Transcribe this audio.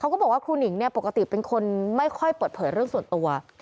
ก็บอกว่าครูหนิงเนี่ยปกติเป็นคนไม่ค่อยเปิดเผยเรื่องส่วนตัว